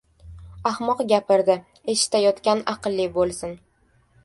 • Ahmoq gapirdi — eshitayotgan aqlli bo‘lsin!